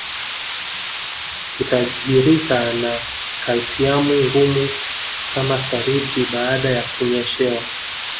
Hutajirika na kalsiamu ngumu kama saruji baada ya kunyeshewa